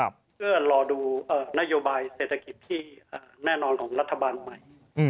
เพื่อรอดูนโยบายเศรษฐกิจที่แน่นอนของรัฐบาลใหม่